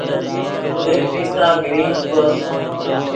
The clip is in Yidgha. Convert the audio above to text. در کیستہ گرنج کوس